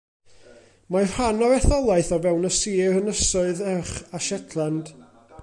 Mae rhan o'r etholaeth o fewn y sir Ynysoedd Erch a Shetland.